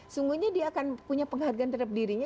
sungguhnya dia akan punya penghargaan terhadap dirinya